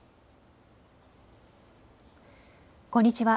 こんにちは。